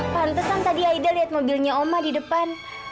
pantesan tadi aida lihat mobilnya oma di depan